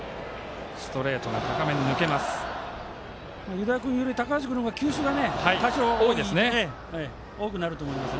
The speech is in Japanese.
湯田君より高橋君のほうが球種が多少多くなると思います。